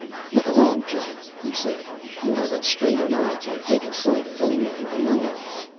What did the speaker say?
“Look along, Jack,” he said. “You have as straight an eye to take a sight as any man I know of.